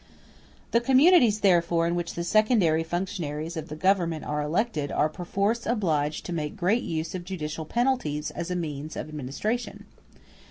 The communities therefore in which the secondary functionaries of the government are elected are perforce obliged to make great use of judicial penalties as a means of administration.